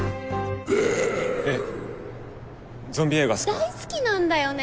大好きなんだよね